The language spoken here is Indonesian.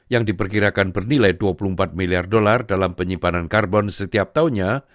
yang diperkirakan bernilai dua puluh empat miliar dolar dalam penyimpanan karbon setiap tahunnya